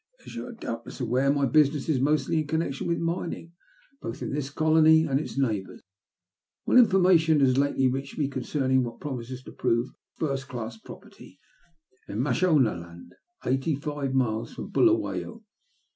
" As you are doubtless aware, my business is mostly in connection with mining, both in this colony and its neighbours. Well, information has lately reached me concerning what promises to prove a first class property in Mashonaland, eighty five miles from Buluwayo.